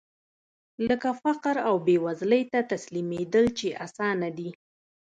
لکه فقر او بېوزلۍ ته تسليمېدل چې اسانه دي.